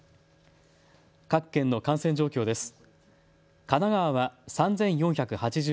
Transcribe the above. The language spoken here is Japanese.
各県の感染状況です。